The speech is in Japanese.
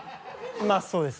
まぁそうですね。